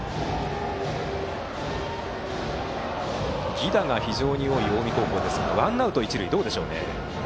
犠打が非常に多い近江高校ですがワンアウト一塁、どうでしょうか。